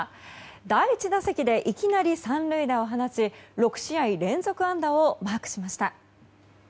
第１打席でいきなり３塁打を放ち６試合連続安打をマークしました。